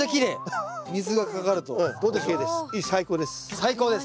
最高です。